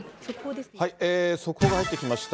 速報が入ってきました。